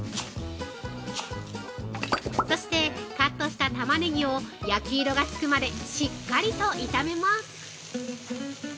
そして、カットしたタマネギを焼き色がつくまでしっかりと炒めます。